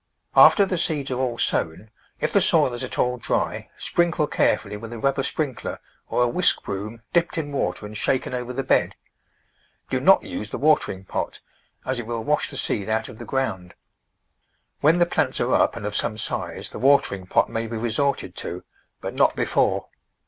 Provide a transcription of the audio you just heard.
After the seeds are all sown, if the soil is at all dry, sprinkle carefully with a rubber sprinkler, or a whisk broom dipped in water and shaken over the bed. Do not use the watering pot, as it will wash the seed out of the ground. When the plants are up and of some size the watering pot may be resorted to, but not before.